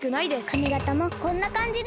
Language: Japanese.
かみがたもこんなかんじです。